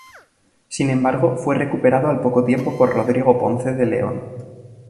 Sin embargo, fue recuperado al poco tiempo por Rodrigo Ponce de León.